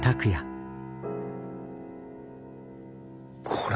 これ。